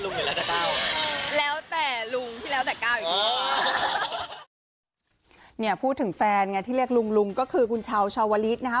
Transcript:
เนี่ยพูดถึงแฟนไงที่เรียกลุงลุงก็คือคุณเช้าเชาวริสนะฮะ